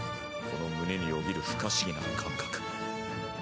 この胸によぎる不可思議な感覚。